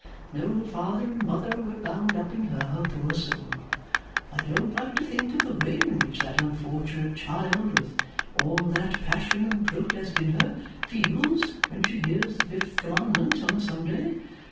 No father and mother were bound up in her, poor soul. I don't like to think of the way in which that unfortunate child, with all that passion and protest in her, feels when she hears the Fifth Commandment on a Sunday.